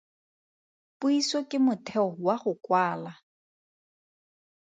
Puiso ke motheo wa go kwala.